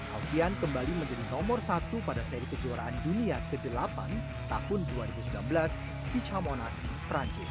alfian kembali menjadi nomor satu pada seri kejuaraan dunia ke delapan tahun dua ribu sembilan belas di chamonar perancis